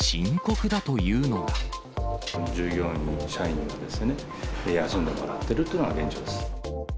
従業員、社員は休んでもらっているというのが現状です。